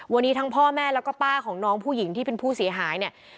วันนี้ทั้งพ่อแม่แล้วก็ป้าของน้องผู้หญิงที่เป็นผู้เสียหายเนี่ย